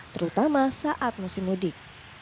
terutama saat musim mudik